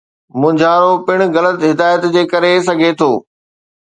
مونجهارو پڻ غلط هدايت جي ڪري سگھي ٿو.